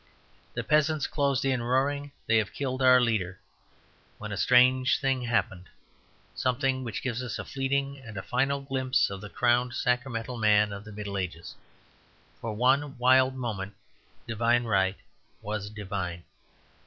The peasants closed in roaring, "They have killed our leader"; when a strange thing happened; something which gives us a fleeting and a final glimpse of the crowned sacramental man of the Middle Ages. For one wild moment divine right was divine.